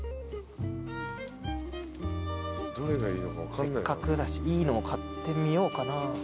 せっかくだしいいのを買ってみようかな。